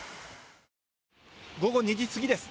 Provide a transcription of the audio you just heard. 午後２時過ぎです。